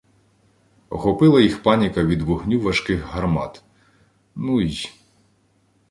Охопила їх паніка від вогню важких гармат, ну й.